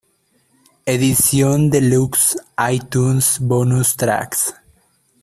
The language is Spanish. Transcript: Edición Deluxe iTunes, Bonus Tracks